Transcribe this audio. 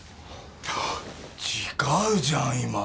あっ違うじゃん今。